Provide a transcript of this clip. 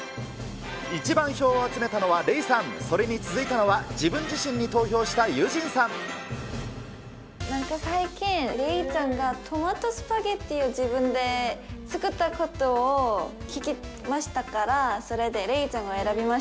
一番票を集めたのはレイさん、それに続いたのは自分自身に投票なんか最近、レイちゃんがトマトスパゲッティを自分で作ったことを聞きましたから、なるほど。